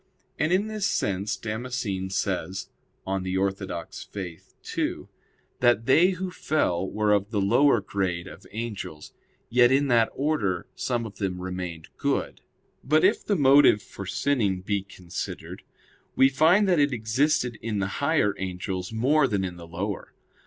And in this sense Damascene says (De Fide Orth. ii) that they who fell were of the lower grade of angels; yet in that order some of them remained good. But if the motive for sinning be considered, we find that it existed in the higher angels more than in the lower.